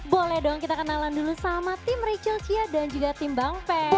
boleh dong kita kenalan dulu sama tim richel chia dan juga tim bang pen